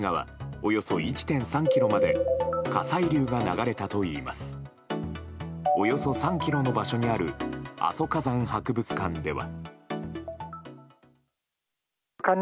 およそ３ｋｍの場所にある阿蘇火山博物館では。